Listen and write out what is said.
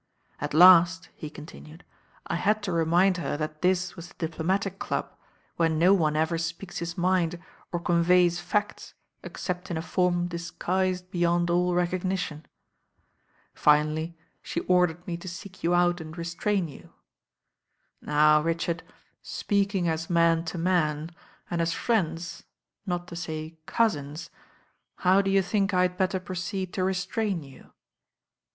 "At last," he continued, "I had to remind her that this was the Diplomatic Club, where no one ever speaks his mind or conveys facts except in a form disguised beyond all recognition. FJQally. she or / LADY DREWirrS ALARM S98 dered me to seek you out and restrain you. Now, Richard, speaking as man to man, and as friends, not to say cousins, how do you think I had better proceed to restrain you?"